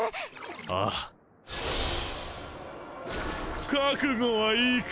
ああ覚悟はいいか？